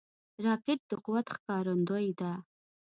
راکټ د قوت ښکارندوی ده